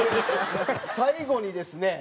最後にですね